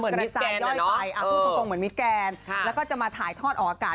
กระจายย่อยไปพูดตรงเหมือนมิแกนแล้วก็จะมาถ่ายทอดออกอากาศ